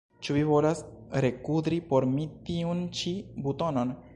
Ĉu vi volas rekudri por mi tiun ĉi butonon?